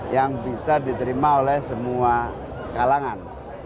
yang bisa diterima oleh semua kalangan